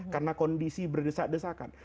karena kondisi berdesak desakan